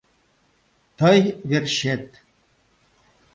Тый верчет!